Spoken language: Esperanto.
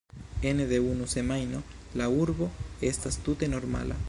Ene de unu semajno la urbo estas tute normala